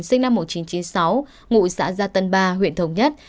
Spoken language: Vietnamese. sinh năm một nghìn chín trăm chín mươi sáu ngụ xã gia tân ba huyện thống nhất